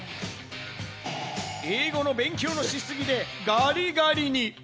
英語の勉強のしすぎでガリガリに。